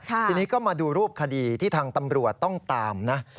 ทีนี้ก็มาดูรูปคดีที่ทางตำรวจต้องตามนะ